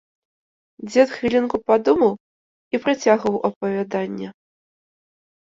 Дзед хвілінку падумаў і працягваў апавяданне.